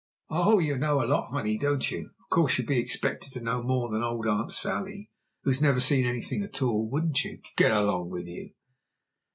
"Oh, you know a lot, honey, don't you? Of course you'd be expected to know more than old Aunt Sally, who's never seen anything at all, wouldn't you? Go along with you!"